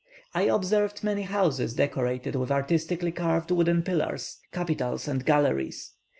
I observed many houses decorated with artistically carved wooden pillars, capitals, and galleries.